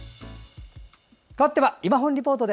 かわっては「いまほんリポート」。